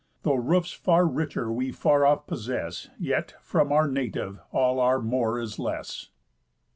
Though roofs far richer we far off possess, Yet, from our native, all our more is less.